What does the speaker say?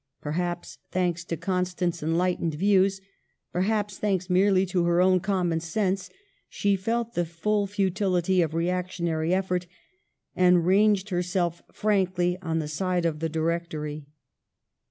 Perhaps thanks to Constant's enlight ened views, perhaps thanks merely to her own common sense, she felt the full futility of reac tionary effort, and ranged herself frankly on the side of the Directory.